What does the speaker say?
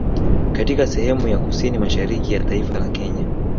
Katika sehemu ya kusini mashariki ya taifa la Kenya